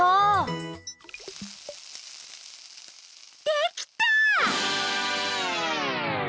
できた！